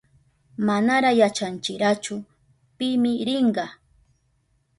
Manara yachanchirachu pimi rinka.